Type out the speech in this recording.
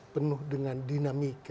penuh dengan dinamika